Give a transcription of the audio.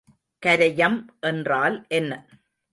கரையம் என்றால் என்ன?